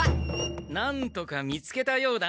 なんとか見つけたようだな。